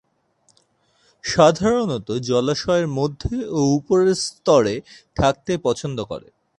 সাধারণত জলাশয়ের মধ্য ও উপরের স্তরে থাকতে পছন্দ করে।